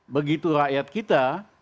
begitu rakyat kita